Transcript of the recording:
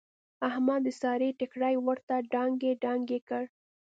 احمد د سارې ټیکری ورته دانګې دانګې کړ.